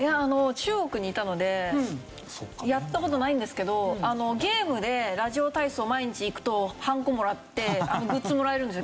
中国にいたのでやった事ないんですけどゲームでラジオ体操毎日行くとハンコもらってグッズもらえるんですよ。